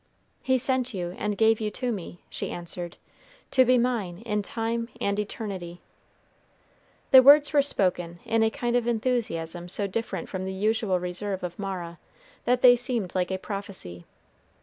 "He sent you and gave you to me," she answered, "to be mine in time and eternity." The words were spoken in a kind of enthusiasm so different from the usual reserve of Mara, that they seemed like a prophecy.